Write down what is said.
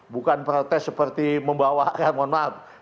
bukan protes seperti membawa mohon maaf